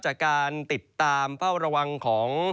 จากการติดตามเฝ้าระวังของ